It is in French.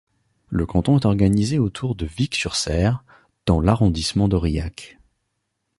Le canton est organisé autour de Vic-sur-Cère dans l'arrondissement d'Aurillac.